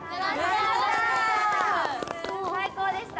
最高でした。